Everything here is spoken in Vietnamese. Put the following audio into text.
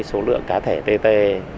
số lượng cá thể tê tê